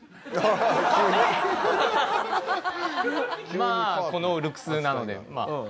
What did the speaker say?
まあこのルックスなのでまあはい。